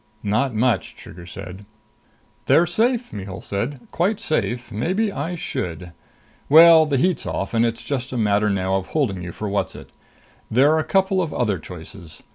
"Not much," Trigger said. "They're safe," Mihul said. "Quite safe. Maybe I should.... Well, the heat's off, and it's just a matter now of holding you for Whatzzit. There're a couple of other choices.